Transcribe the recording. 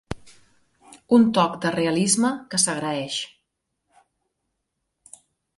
Un toc de realisme que s’agraeix.